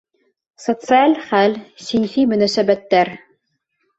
Социаль хәл, синфи мөнәсәбәттәр